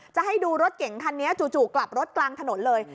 จะให้ดูรถเก่งคันนี้จู่กลับรถกลางถนนเลย